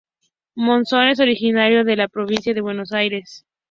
Monzón es originario de la Provincia de Buenos Aires.